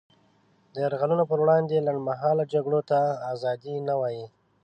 د یرغلونو پر وړاندې لنډمهاله جګړو ته ازادي نه وايي.